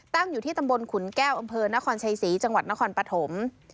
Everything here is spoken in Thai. อยู่ที่ตำบลขุนแก้วอำเภอนครชัยศรีจังหวัดนครปฐม